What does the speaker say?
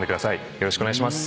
よろしくお願いします。